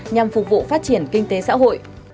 nhằm phục vụ phát triển kinh tế xã hội